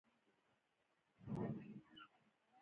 هغه کورونه چې نوې او عصري ښکاري د یهودو کورونه دي.